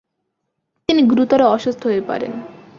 তিনি গুরুতর অসুস্থ হয়ে পড়েন।